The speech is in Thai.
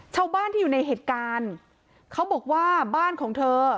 ชาวบ้านที่อยู่ในเหตุการณ์เขาบอกว่าบ้านของเธอ